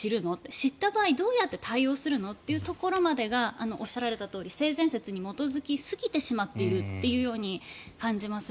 知った場合、どうやって対応するの？というところまでがおっしゃられたとおり性善説に基づきすぎちゃっていると思います。